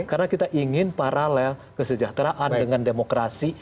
karena kita ingin paralel kesejahteraan dengan demokrasi